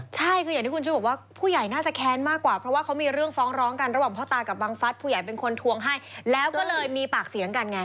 ใช่คืออย่างที่คุณชุดบอกว่าผู้ใหญ่น่าจะแค้นมากกว่าเพราะว่าเขามีเรื่องฟ้องร้องกันระหว่างพ่อตากับบังฟัสผู้ใหญ่เป็นคนทวงให้แล้วก็เลยมีปากเสียงกันไง